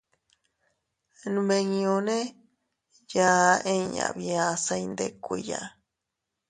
Nmiñune yaa inña bia se iyndikuiya.